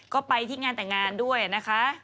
ก็ไปที่งานแต่งงานด้วยนะคะ